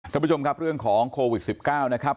ท่านผู้ชมครับเรื่องของโควิด๑๙นะครับ